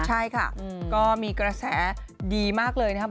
ใช่ค่ะก็มีกระแสดีมากเลยนะครับ